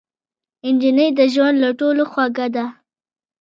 نجلۍ د ژوند له ټولو خوږه ده.